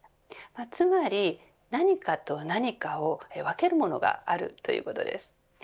つまり何かと何かを分けるものがあるということです。